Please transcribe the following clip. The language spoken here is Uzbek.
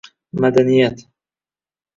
Madaniyat